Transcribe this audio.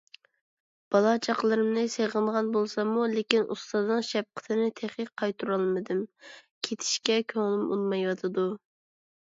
بالا - چاقىلىرىمنى سېغىنغان بولساممۇ، لېكىن ئۇستازنىڭ شەپقىتىنى تېخى قايتۇرالمىدىم. كېتىشكە كۆڭلۈم ئۇنىمايۋاتىدۇ.